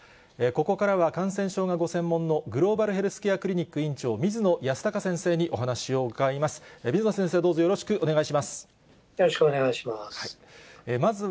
ここからは、感染症がご専門のグローバルヘルスケアクリニック院長、水野泰孝先生にお話を伺います。